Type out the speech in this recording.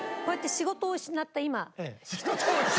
「仕事を失った今」。